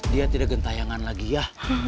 dia tidak gentayangan lagi ya